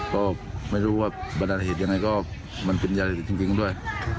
ก็ไม่รู้ว่าบรรดาเหตุยังไงก็มันเป็นยาเสพติดจริงด้วย